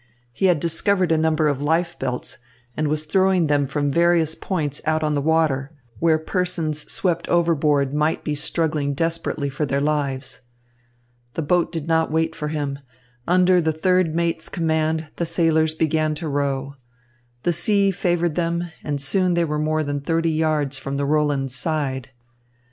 He had discovered a number of life belts and was throwing them from various points out on the water, where persons swept overboard might be struggling desperately for their lives. The boat did not wait for him. Under the third mate's command, the sailors began to row. The sea favoured them, and soon they were more than thirty yards from the Roland's side.